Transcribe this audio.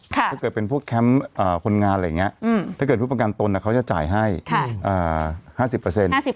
ถ้าเกิดเป็นพวกแคมป์คนงานถ้าจะเป็นผู้ประกันตนเราจะให้๕๐เปอร์เซ็นต์